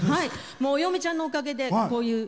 お嫁ちゃんのおかげでこういう。